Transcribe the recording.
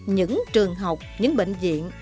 những trường học những bệnh viện